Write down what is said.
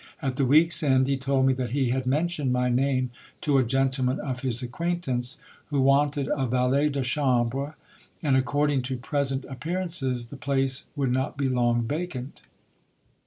At the week's end, he told me that he had mentioned my name to a gentleman of his acquaintance, who wanted a valet de chambre, and, according to present appearances, the place would not be long vacant.